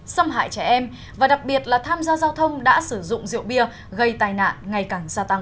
xâm hại trẻ em và đặc biệt là tham gia giao thông đã sử dụng rượu bia gây tai nạn ngày càng gia tăng